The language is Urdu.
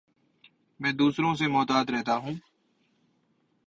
میں دوسروں سے محتاط رہتا ہوں